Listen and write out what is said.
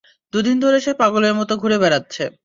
দুদিন ধরে সে পাগলের মত ঘুরে বেড়াচ্ছে।